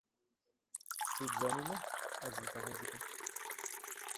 Tu dizanî ne, ez ji te hez dikim.